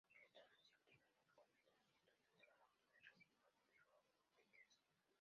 Esto no se aplica en los documentos sustitutivos de factura, recibos o tickets.